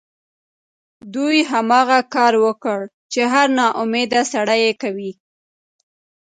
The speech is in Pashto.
دوی هماغه کار وکړ چې هر ناامیده سړی یې کوي